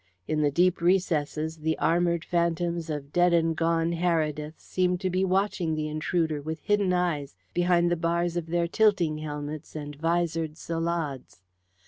In the deep recesses the armoured phantoms of dead and gone Herediths seemed to be watching the intruder with hidden eyes behind the bars of their tilting helmets and visored salades.